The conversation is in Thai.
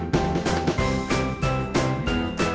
มีความสุขในที่เราอยู่ในช่องนี้ก็คือความสุขในที่เราอยู่ในช่องนี้